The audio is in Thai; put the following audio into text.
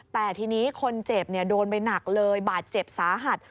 แต่ทีนี้คนเจ็บโดนไปหนักเลยบาดเจ็บสาหัส